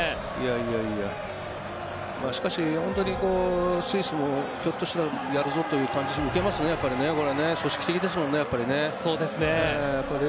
しかし本当にスイスもひょっとしたらやるぞという感じ見受けられますね。